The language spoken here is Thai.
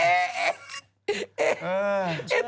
เอ่ย